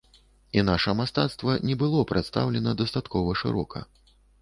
І наша мастацтва не было прадстаўлена дастаткова шырока.